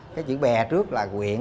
cái chữ bè trước là quyện